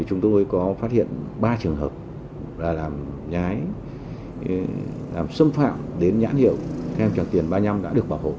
chúng tôi có phát hiện ba trường hợp là xâm phạm đến nhãn hiệu thêm tràng tiền ba mươi năm đã được bảo hộ